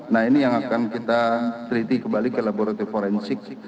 nah ini yang akan kita teliti kembali ke laboratorium forensik